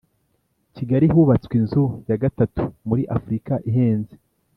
kigali hubatswe inzu ya gatatu muri afurika ihenze